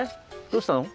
どうしたの？